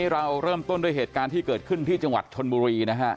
เราเริ่มต้นด้วยเหตุการณ์ที่เกิดขึ้นที่จังหวัดชนบุรีนะฮะ